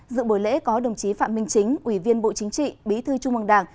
dự bồi lễ có đồng chí phạm minh chính ủy viên bộ chính trị bí thư trung hoàng đảng